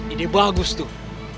ide bagus tuh